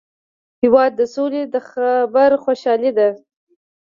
هېواد د سولي د خبر خوشالي ده.